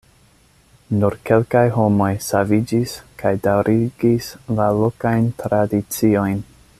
Nur kelkaj homoj saviĝis, kaj daŭrigis la lokajn tradiciojn.